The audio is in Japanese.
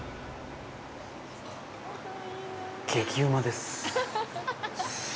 激うまです！